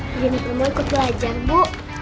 begini kamu ikut belajar bu